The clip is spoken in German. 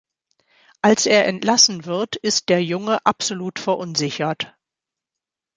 Als er entlassen wird, ist der Junge absolut verunsichert.